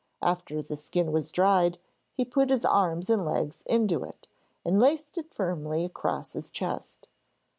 After the skin was dried he put his arms and legs into it, and laced it firmly across his chest.